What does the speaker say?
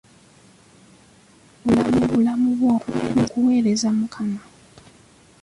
Waayo obulamu bwo mu kuweereza Mukama.